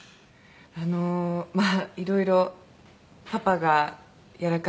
あのまあいろいろパパがやらかしちゃって。